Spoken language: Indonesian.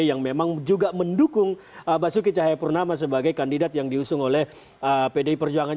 yang memang juga mendukung basuki cahayapurnama sebagai kandidat yang diusung oleh pdi perjuangan